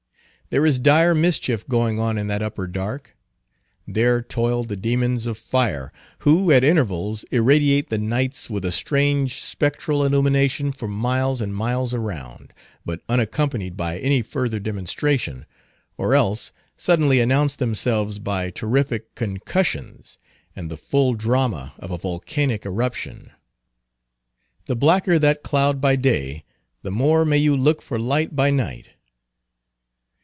There is dire mischief going on in that upper dark. There toil the demons of fire, who, at intervals, irradiate the nights with a strange spectral illumination for miles and miles around, but unaccompanied by any further demonstration; or else, suddenly announce themselves by terrific concussions, and the full drama of a volcanic eruption. The blacker that cloud by day, the more may you look for light by night.